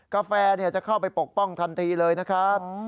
กาแฟจะเข้าไปปกป้องทันทีเลยนะครับ